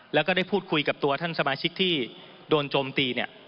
แล้วก็ได้พูดคุยกับตัวท่านสมาชิกที่โดนโจมตีเนี่ย